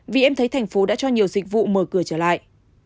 vì em thấy thành phố đã cho nhiều dịch vụ mở cửa trở lại